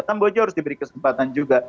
kamboja harus diberi kesempatan juga